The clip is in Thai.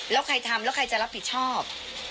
แล้วใครทำแล้วใครจะรับผิดชอบ